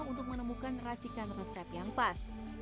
untuk menemukan racikan resep yang pas